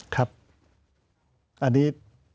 ครับอันนี้